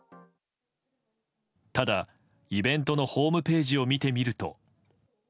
ただ、イベントのホームページを見てみると。